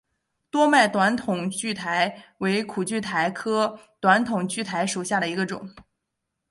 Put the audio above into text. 多脉短筒苣苔为苦苣苔科短筒苣苔属下的一个种。